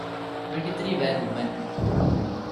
Twenty-three were women.